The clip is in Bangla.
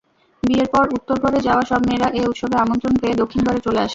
বিয়ের পর উত্তরগড়ে যাওয়া সব মেয়েরা এ উৎসবে আমন্ত্রণ পেয়ে, দক্ষিণগড়ে চলে আসে।